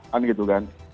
kan gitu kan